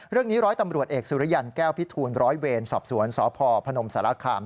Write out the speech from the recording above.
เรื่องนี้ร้อยตำรวจเอกสุรญันทร์แก้วพิทูลร้อยเวรสอบสวนสพพนมสารคาม